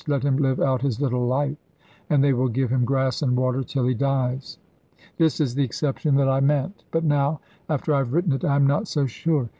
let him live out his little life.' And they will give him grass and water till he dies. This is the exception that I meant, but now, after I have written it, I am not so sure.